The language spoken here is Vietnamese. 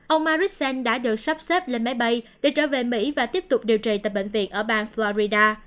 ông marissen đã được sắp xếp lên máy bay để trở về mỹ và tiếp tục điều trị tại bệnh viện ở bang florida